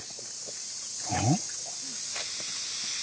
うん？